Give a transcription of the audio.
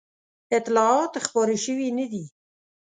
اطلاعات خپاره شوي نه دي.